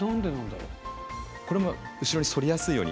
これも後ろに反りやすいように。